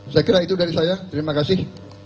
saya kira itu dari saya terima kasih